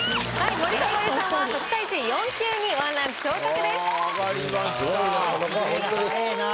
森迫永依さんは特待生４級に１ランク昇格です。